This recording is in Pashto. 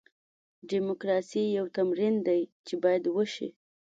ډیموکراسي یو تمرین دی چې باید وشي.